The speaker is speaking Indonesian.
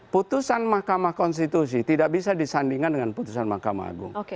putusan mahkamah konstitusi tidak bisa disandingkan dengan putusan mahkamah agung